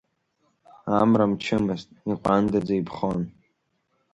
Амра мчымызт, иҟәандаӡа иԥхон.